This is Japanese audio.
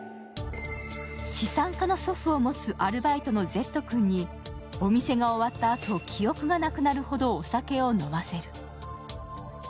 資産家の祖父を持つアルバイトのＺ君に、お店が終わったあと、記憶がなくなるほどお酒を飲ませる。